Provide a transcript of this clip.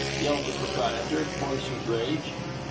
yelled the proprietor, hoarse with rage.